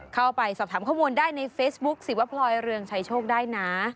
เข้าไปสอบถามข้อมูลได้ในเฟซบุ๊คสิวพลอยเรืองชัยโชคได้นะ